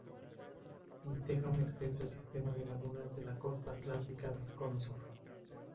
Integra un extenso sistema de lagunas de la costa atlántica del Cono Sur.